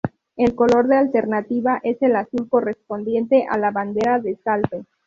El color de alternativa es el azul, correspondiente a la bandera de Salto.